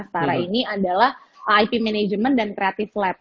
ashtara ini adalah ip manajemen dan creative lab